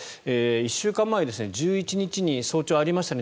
１週間前、１１日に早朝ありましたね。